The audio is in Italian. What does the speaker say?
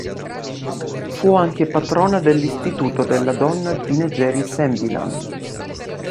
Fu anche patrona dell'Istituto della donna di Negeri Sembilan.